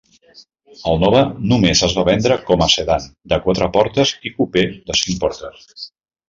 El Nova només es va vendre com a sedan de quatre portes i cupè de cinc portes.